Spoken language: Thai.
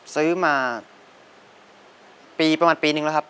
ซื้อมาปีประมาณปีนึงแล้วครับ